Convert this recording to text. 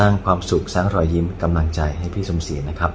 แล้ววันนี้ผมมีสิ่งหนึ่งนะครับเป็นตัวแทนกำลังใจจากผมเล็กน้อยครับ